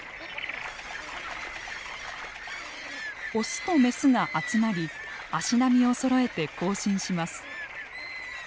オスとメスが集まり足並みをそろえて行進します。